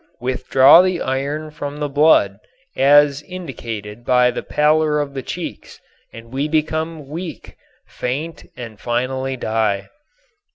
Withdraw the iron from the blood as indicated by the pallor of the cheeks, and we become weak, faint and finally die.